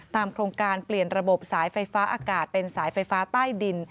โครงการเปลี่ยนระบบสายไฟฟ้าอากาศเป็นสายไฟฟ้าใต้ดิน